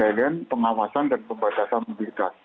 pln pengawasan dan pembatasan mobilitas